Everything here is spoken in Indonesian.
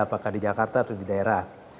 apakah di jakarta atau di daerah